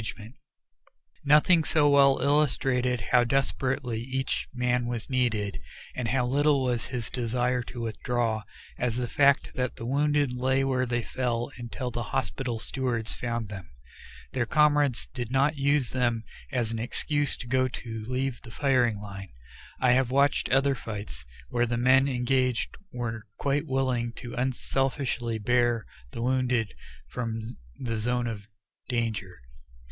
Head of column of Second Infantry going to support the Rough Riders, June 24th] Nothing so well illustrated how desperately each man was needed, and how little was his desire to withdraw, as the fact that the wounded lay where they fell until the hospital stewards found them. Their comrades did not use them as an excuse to go to leave the firing line. I have watched other fights, where the men engaged were quite willing to unselfishly bear the wounded from the zone of danger.